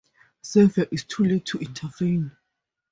Xavier is too late to intervene.